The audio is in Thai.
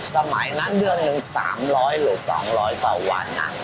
สมัยนั้นเดือนหนึ่งสามร้อยหรือสองร้อยต่อวันอ่ะ